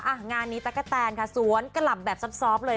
อ่างานนี้ตั๊กกะแตนคะสวนกระหลับแบบซ้อมเลย